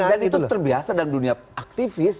dan itu terbiasa dalam dunia aktivis